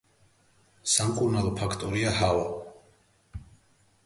სამკურნალო ფაქტორია ჰავა.